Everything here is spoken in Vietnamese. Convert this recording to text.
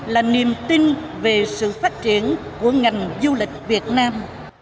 là niềm tin về sự phát triển của ngành du lịch việt nam